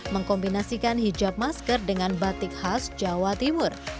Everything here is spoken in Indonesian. mengkombinasikan hijab masker dengan batik khas jawa timur